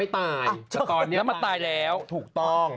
มันตายแล้วแต่ตอนนี้มันตายแล้วถูกต้อง